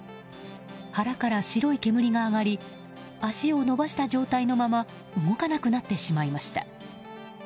腹から白い煙が上がり足を伸ばした状態のまま動かなくなってしまいました。